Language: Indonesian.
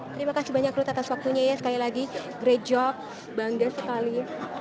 terima kasih banyak ruth atas waktunya ya sekali lagi great job bangga sekali